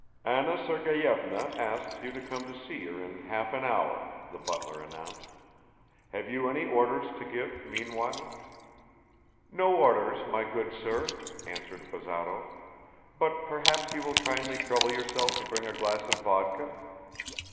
"Anna Sergeyevna asks you to come to see her in half an hour," the butler announced. "Have you any orders to give meanwhile?" "No orders, my good sir," answered Bazarov, "but perhaps you will kindly trouble yourself to bring a glass of vodka."